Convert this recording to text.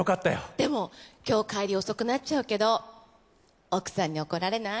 でも今日帰り遅くなっちゃうけど奥さんに怒られない？